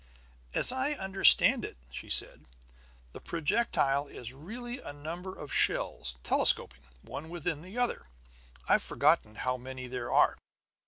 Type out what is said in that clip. "As I understand it," she said, "the projectile is really a number of shells, telescoping, one within another. I've forgotten how many there are."